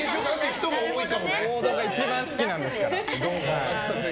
王道が一番好きなんですから。